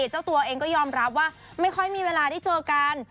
เจ้าตัวเองก็ยอมรับว่าไม่ค่อยมีเวลาได้เจอกัน